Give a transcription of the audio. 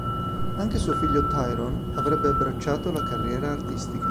Anche suo figlio Tyrone avrebbe abbracciato la carriera artistica.